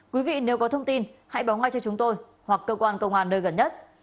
quý vị nếu có thông tin hãy báo ngay cho chúng tôi hoặc cơ quan công an nơi gần nhất